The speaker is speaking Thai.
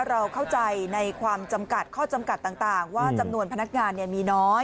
เราเข้าใจในความจำกัดข้อจำกัดต่างว่าจำนวนพนักงานมีน้อย